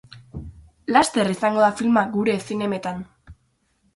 Laster izango da filma gure zinemetan.